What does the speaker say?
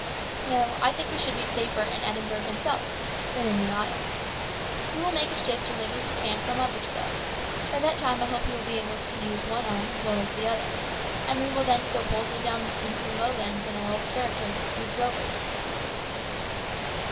No, I think we should be safer in Edinburgh itself than in the isles. We will make a shift to live as we can for a month or so; by that time I hope you will be able to use one arm as well as the other, and we will then boldly go down into the Lowlands in our old characters as two drovers."